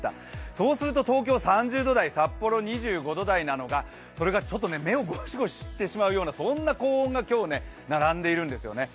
そうすると東京３５度台札幌２５度台なんですがちょっと、目をゴシゴシしてしまうような高温が今日、並んでいるんですよね。